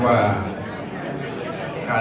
ขอบคุณครับ